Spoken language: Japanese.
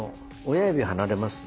親指離れます。